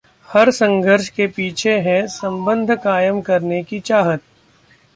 हर संघर्ष के पीछे है 'संबंध' कायम करने की चाहत